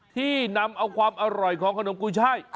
ที่นำเอาความอร่อยของขนมกุยช่าย